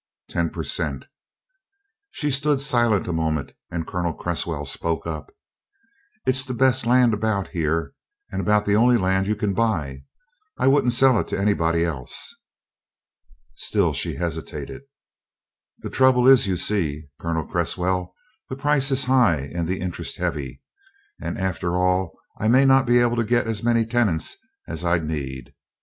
"Ten per cent." She stood silent a moment and Colonel Cresswell spoke up: "It's the best land about here and about the only land you can buy I wouldn't sell it to anybody else." She still hesitated. "The trouble is, you see, Colonel Cresswell, the price is high and the interest heavy. And after all I may not be able to get as many tenants as I'd need.